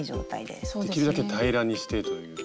できるだけ平らにしてという。